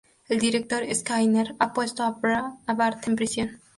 El Director Skinner ha puesto a Bart en prisión.